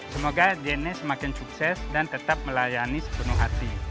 semoga jna semakin sukses dan tetap melayani sepenuh hati